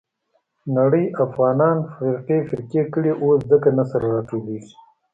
نړۍ افغانان فرقې فرقې کړي. اوس ځکه نه سره راټولېږي.